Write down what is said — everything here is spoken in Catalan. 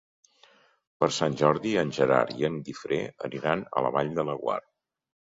Per Sant Jordi en Gerard i en Guifré aniran a la Vall de Laguar.